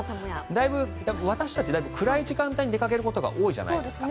だいぶ私たち暗い時間帯に出かけることが多いじゃないですか。